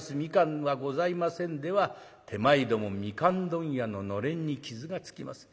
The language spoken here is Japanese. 蜜柑はございません』では手前ども蜜柑問屋の暖簾に傷がつきます。